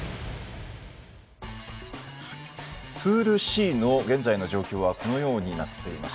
プールＣの現在の状況はこのようになっています。